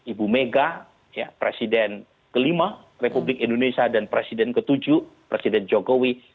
ibu mega presiden kelima republik indonesia dan presiden ke tujuh presiden jokowi